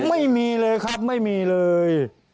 ไม่มีเลยครับไม่มีเลย